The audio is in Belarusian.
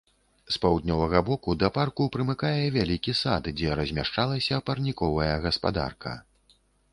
З паўднёвага боку да парку прымыкае вялікі сад, дзе размяшчалася парніковая гаспадарка.